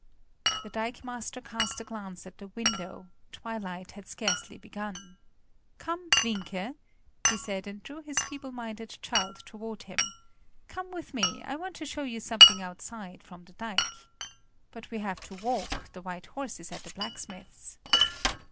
The dikemaster cast a glance at the window: twilight had scarcely begun. "Come, Wienke!" he said and drew his feeble minded child toward him; "come with me, I want to show you something outside, from the dike. But we have to walk; the white horse is at the blacksmith's."